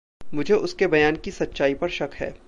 मुझे उसके बयान की सच्चाई पर शक है।